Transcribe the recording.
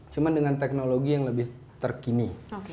cuma dengan teknologi yang lebih terkini